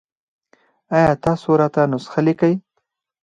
ایا تاسو راته نسخه لیکئ؟